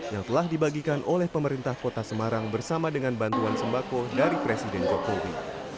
yang telah dibagikan oleh pemerintah kota semarang bersama dengan bantuan sembako dari presiden jokowi